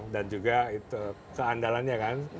dan juga itu keandalannya kan